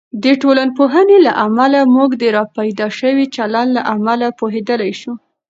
د ټولنپوهنې له امله، موږ د راپیدا شوي چلند له امله پوهیدلی شو.